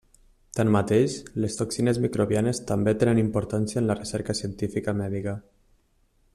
Tanmateix, les toxines microbianes també tenen importància en la recerca científica mèdica.